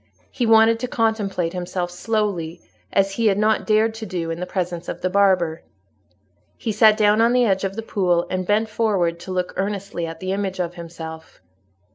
He wanted to contemplate himself slowly, as he had not dared to do in the presence of the barber. He sat down on the edge of the pool, and bent forward to look earnestly at the image of himself.